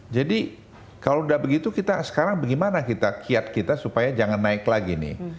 jadi kalau udah begitu kita sekarang bagaimana kita kiat kita supaya jangan naik lagi nih